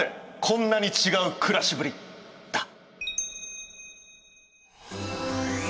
こんなに違う暮らしぶり」だ！